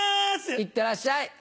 いってらっしゃい！